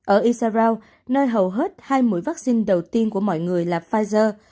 ở isaraok nơi hầu hết hai mũi vaccine đầu tiên của mọi người là pfizer